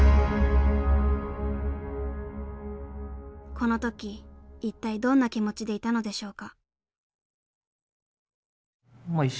この時一体どんな気持ちでいたのでしょうか。